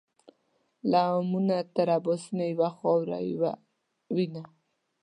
له آمو تر اباسینه یوه خاوره یو وینه